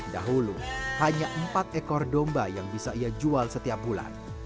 dahulu hanya empat ekor domba yang bisa ia jual setiap bulan